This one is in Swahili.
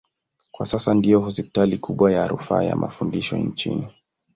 Kwa sasa ndiyo hospitali kubwa ya rufaa na mafundisho nchini.